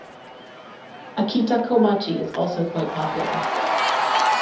Akitakomachi is also quite popular.